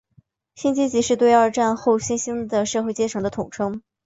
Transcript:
新阶级是对二战后新兴的社会阶层的统称。